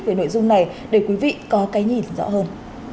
về nội dung này để quý vị có cái nhìn rõ hơn